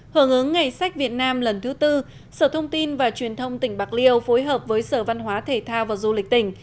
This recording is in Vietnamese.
hưởng ứng ngày sách việt nam lần thứ tư sở thông tin và truyền thông tỉnh bạc liêu phối hợp với sở văn hóa thể thao và du lịch tỉnh